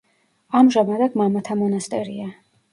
ამჟამად აქ მამათა მონასტერია.